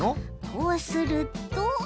こうすると。